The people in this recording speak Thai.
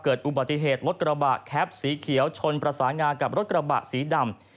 เกิดอุบัติเหตุรถกระบะแคปสีเขียวชนประสานงากับรถกระบะสีดำ